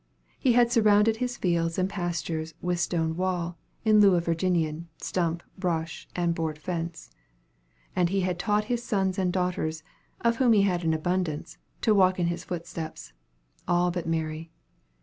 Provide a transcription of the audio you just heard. He had surrounded his fields and pastures with stone wall, in lieu of Virginian, stump, brush, and board fence. And he had taught his sons and daughters, of whom he had an abundance, to walk in his footsteps all but Mary.